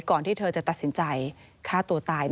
ที่เธอจะตัดสินใจฆ่าตัวตาย